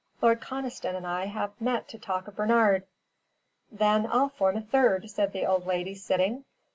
"Lord Conniston and I have met to talk of Bernard." "Then I'll form a third," said the old lady, sitting.